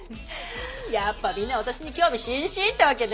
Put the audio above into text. やっぱみんな私に興味津々ってわけね。